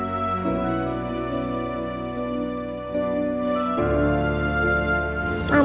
bukanya langsung senyum